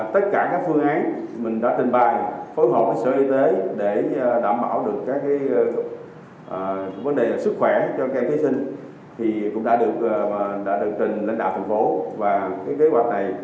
tất cả các phương án mình đã tình bài phối hợp với sở y tế để đảm bảo được các vấn đề sức khỏe cho các thí sinh